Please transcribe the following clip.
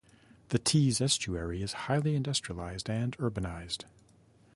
The Tees estuary is highly industrialised and urbanised.